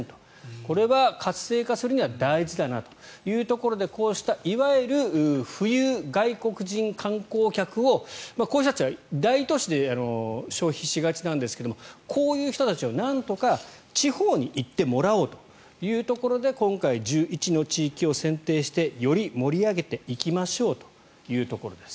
これは活性化するには大事だなというところでこうしたいわゆる富裕外国人観光客をこの人たちは大都市で消費しがちなんですがこういう人たちになんとか地方に行ってもらおうということで今回、１１の地域を選定してより盛り上げていきましょうというところです。